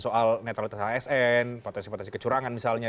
soal netralitas asn potensi potensi kecurangan misalnya